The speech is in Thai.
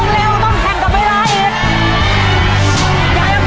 เร็วเรียกมือหน่อยครับ